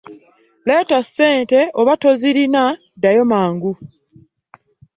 Leeta ssente oba tozirina ddayo mangu.